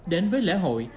đến với lễ hội